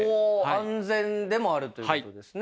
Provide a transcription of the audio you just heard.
安全でもあるという事ですね。